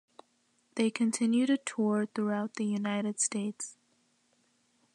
They continue to tour throughout the United States.